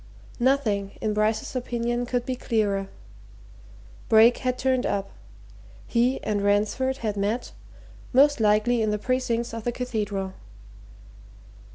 Nothing, in Bryce's opinion, could be clearer. Brake had turned up. He and Ransford had met most likely in the precincts of the Cathedral.